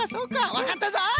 わかったぞい！